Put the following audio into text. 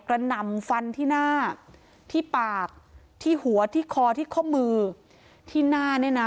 หนำฟันที่หน้าที่ปากที่หัวที่คอที่ข้อมือที่หน้าเนี่ยนะ